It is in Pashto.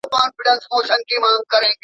ایا مسلکي باغوان وچه میوه پلوري؟